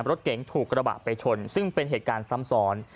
รถเก๋งถูกกระบะไปชนซึ่งเป็นเหตุการณ์ซ้ำซ้อน